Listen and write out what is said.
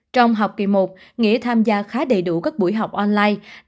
trong học kỳ một nghĩa tham gia khá đầy đủ các buổi học online